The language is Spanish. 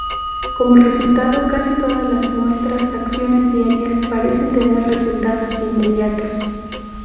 Como resultado, casi todas nuestras acciones diarias parecen tener resultados inmediatos.